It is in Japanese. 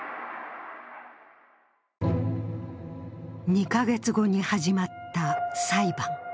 ２か月後に始まった裁判。